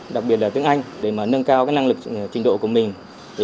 đặc biệt là tiếng anh để nâng cao năng lực trình độ của mình